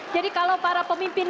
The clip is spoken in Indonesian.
jadi kalau para pemimpin